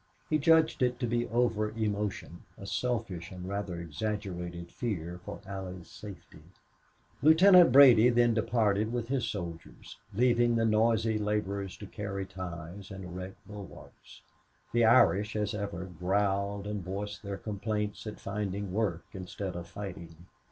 He judged it to be over emotion, a selfish and rather exaggerated fear for Allie's safety. Lieutenant Brady then departed with his soldiers, leaving the noisy laborers to carry ties and erect bulwarks. The Irish, as ever, growled and voiced their complaints at finding work instead of fighting.